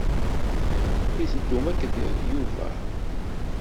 I teddum akked Yuba?